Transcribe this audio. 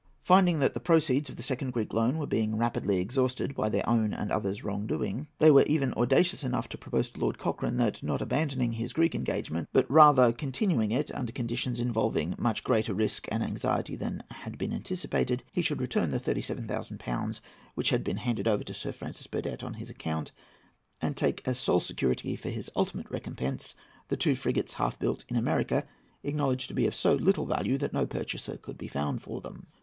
Finding that the proceeds of the second Greek loan were being rapidly exhausted by their own and others' wrong doing, they were even audacious enough to propose to Lord Cochrane that, not abandoning his Greek engagement, but rather continuing it under conditions involving much greater risk and anxiety than had been anticipated, he should return the 37,000£ which had been handed over to Sir Francis Burdett on his account, and take as sole security for his ultimate recompense the two frigates half built in America, acknowledged to be of so little value that no purchaser could be found for them.